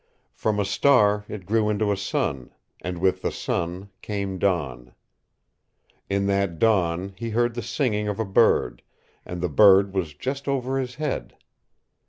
From a star it grew into a sun, and with the sun came dawn. In that dawn he heard the singing of a bird, and the bird was just over his head.